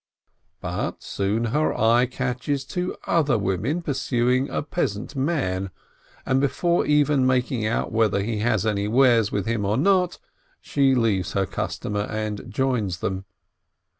But soon her eye catches two other women pursuing a peasant man, and before even making out whether he has any wares with him or not, she leaves her customer and joins them.